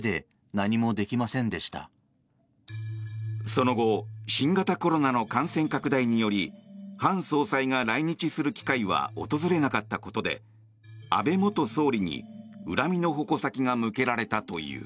その後新型コロナの感染拡大によりハン総裁が来日する機会は訪れなかったことで安倍元総理に恨みの矛先が向けられたという。